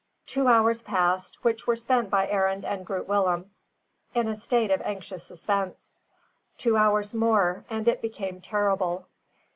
Two hours passed, which were spent by Arend and Groot Willem in, a state of anxious suspense. Two hours more and it became terrible.